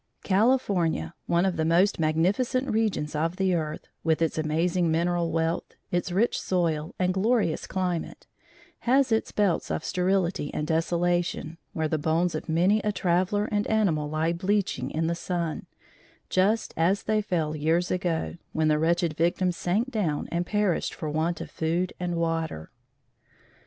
California, one of the most magnificent regions of the earth, with its amazing mineral wealth, its rich soil and "glorious climate," has its belts of sterility and desolation, where the bones of many a traveller and animal lie bleaching in the sun, just as they fell years ago, when the wretched victim sank down and perished for want of food and water.